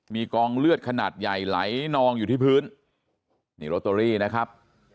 มีกองเลือดขนาดใหญ่ไหลนองอยู่ที่พื้นนี่โรตเตอรี่นะครับ